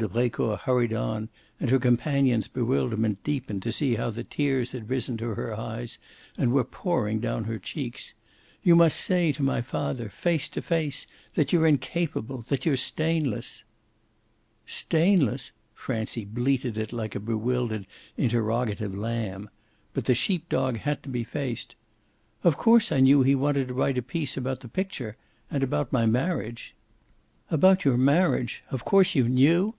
de Brecourt hurried on, and her companion's bewilderment deepened to see how the tears had risen to her eyes and were pouring down her cheeks. "You must say to my father, face to face, that you're incapable that you're stainless." "Stainless?" Francie bleated it like a bewildered interrogative lamb. But the sheep dog had to be faced. "Of course I knew he wanted to write a piece about the picture and about my marriage." "About your marriage of course you knew?